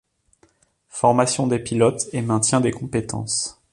Formation des pilotes et maintien des compétences.